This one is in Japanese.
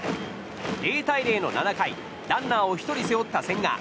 ０対０の７回ランナーを１人背負った千賀。